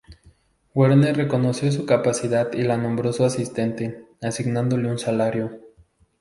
Werner reconoció su capacidad y la nombró su asistente, asignándole un salario.